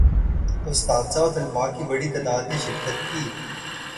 اساتذہ و طلباء کی بڑی تعداد نے شرکت کی